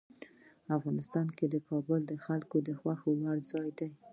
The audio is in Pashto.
افغانستان کې کابل د خلکو د خوښې وړ ځای دی.